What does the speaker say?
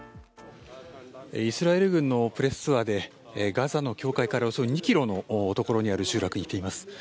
イスラエル軍のプレスツアーでガザの境界からおよそ２ｋｍのところにある集落に来ています。